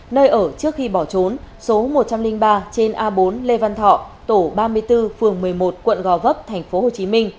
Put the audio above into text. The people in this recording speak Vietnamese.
nơi ở trước khi bỏ trốn số một trăm linh ba trên a bốn lê văn thọ tổ ba mươi bốn phường một mươi một quận gò vấp tp hcm